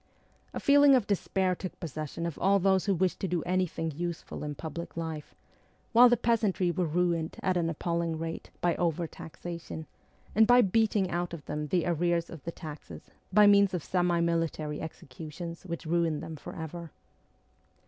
A feeling of despair took possession of all those who wished to do anything useful in public life ; while the peasantry were ruined at an appalling rate by over taxation, and by ' beating out ' of them the arrears of the taxes by means of semi military executions, which ruined them for ever.